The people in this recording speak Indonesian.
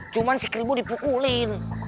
cuman si keribo dipukulin